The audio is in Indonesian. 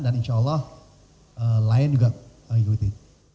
dan insya allah lain juga akan mengikuti